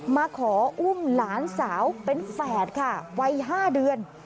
มาขออุ้มหลานสาวเป็นแฝดค่ะวัย๕เดือน